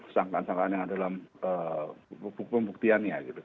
kesangkaan kesangkaan yang ada dalam buku pembuktiannya